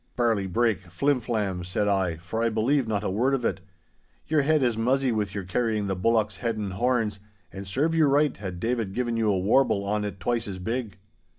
'Barley break, flim flam,' said I, for I believed not a word of it, 'your head is muzzy with your carrying the bullock's head and horns, and serve you right had David given you a warble on it twice as big.